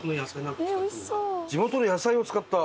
地元の野菜を使った？